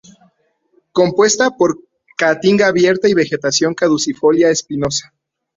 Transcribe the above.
Compuesta por caatinga abierta y vegetación caducifolia espinosa.